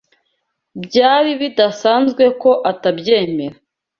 Byari bidasanzwe ko atabyemera.